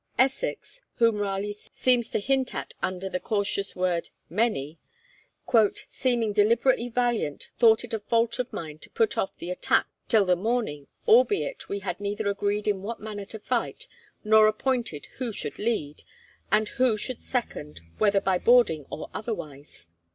Essex, whom Raleigh seems to hint at under the cautious word 'many,' 'seeming desperately valiant, thought it a fault of mine to put off [the attack] till the morning; albeit we had neither agreed in what manner to fight, nor appointed who should lead, and who should second, whether by boarding or otherwise.'